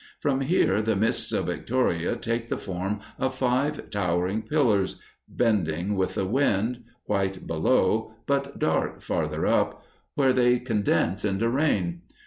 From here the mists of Victoria take the form of five towering pillars, bending with the wind, white below, but dark farther up, where they condense into rain.